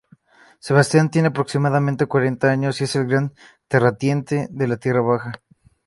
Sebastián tiene aproximadamente cuarenta años y es el gran terrateniente de la Tierra baja.